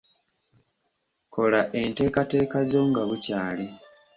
Kola enteekateeka zo nga bukyali.